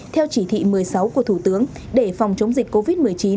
theo chỉ thị một mươi sáu của thủ tướng để phòng chống dịch covid một mươi chín